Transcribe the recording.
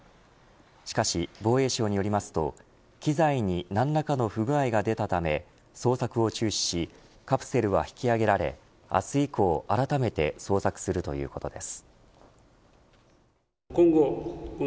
しかし、防衛省によりますと機材に何らかの不具合が出たため捜索を中止しカプセルは引き上げられ明日以降あらためて捜索するということです。